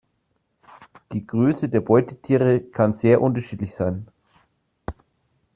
Die Größe der Beutetiere kann sehr unterschiedlich sein.